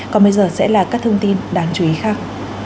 còn bây giờ sẽ là các thông tin đáng chú ý khác